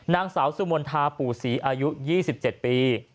นางสาวสุมนธาปู่ศรีอายุ๒๗ปี